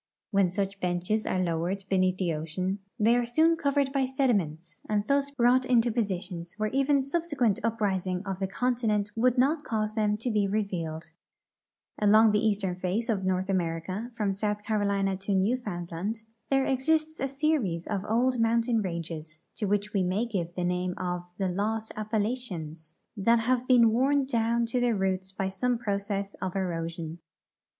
When such benches are loAvered beneath the ocean they are soon covered b}" sediments, and thus brought into j)ositions Avhere even subse 22 334 THE ECONOMIC ASPECTS OF SOIL EROSION quent uprising of the continent would not cause them to be re vealed. Along the eastern face of North America, from South Carolina to Newfoundland, there exists a series of old mountain ranges, to which we may give the name of the Lost Appalachians, that have been worn down to their roots by some j^rocess of erosion.